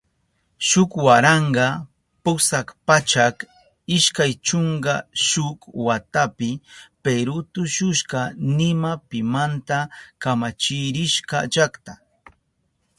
Shuk waranka pusak pachak ishkay chunka shuk watapi Peru tukushka nima pimanta kamachirishka llakta.